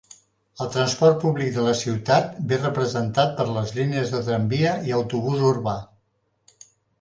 El transport públic de la ciutat ve representat per les línies de tramvia i autobús urbà.